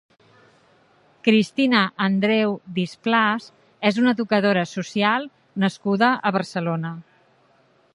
Cristina Andreu Displàs és una educadora social nascuda a Barcelona.